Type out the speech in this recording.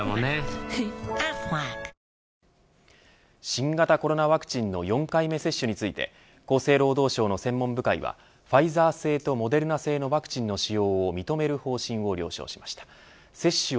新型コロナワクチンの４回目接種について厚生労働省の専門部会はファイザー製とモデルナ製のワクチンの使用を認める方針を了承しました。